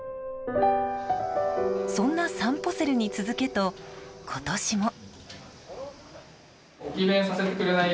そんなさんぽセルに続けと今年も。